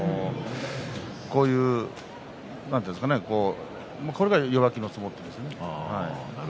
こういう相撲が弱気の相撲ですね。